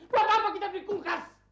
buat apa kita berkungkas